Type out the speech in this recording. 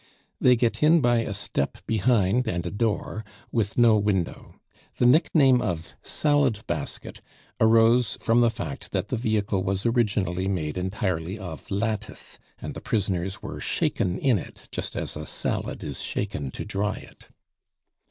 They get in by a step behind and a door, with no window. The nickname of Salad basket arose from the fact that the vehicle was originally made entirely of lattice, and the prisoners were shaken in it just as a salad is shaken to dry it.